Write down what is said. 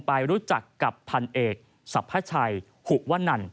ไปรู้จักกับภัณฑ์เอกศพชัยหุวะหนัน